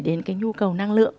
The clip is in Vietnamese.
để đến cái nhu cầu năng lượng